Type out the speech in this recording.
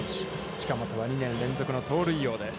近本は２年連続の盗塁王です。